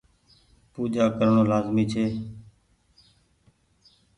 پوجآ ڪرڻو لآزمي ڇي۔